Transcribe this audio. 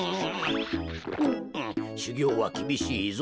しゅぎょうはきびしいぞ。